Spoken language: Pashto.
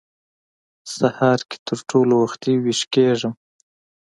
سهار کې تر ټولو وختي وېښ کېږم.